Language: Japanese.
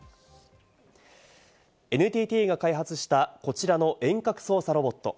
ＮＴＴが開発した、こちらの遠隔操作ロボット。